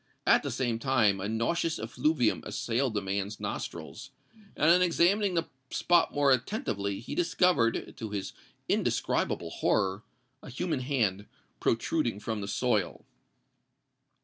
At the same time a nauseous effluvium assailed the man's nostrils; and, on examining the spot more attentively, he discovered—to his indescribable horror—a human hand protruding from the soil!